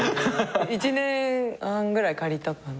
１年半ぐらい借りたかな。